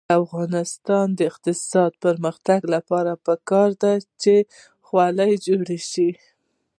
د افغانستان د اقتصادي پرمختګ لپاره پکار ده چې خولۍ جوړې شي.